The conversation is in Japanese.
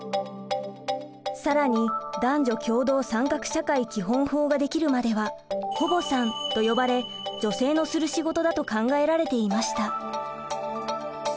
更に男女共同参画社会基本法が出来るまでは「保母さん」と呼ばれ女性のする仕事だと考えられていました。